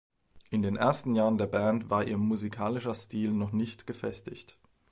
In den ersten Jahren der Band war ihr musikalischer Stil noch nicht gefestigt.